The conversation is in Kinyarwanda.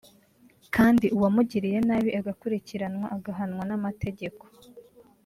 kandi uwamugiriye nabi agakurikiranwa agahanwa n’amategeko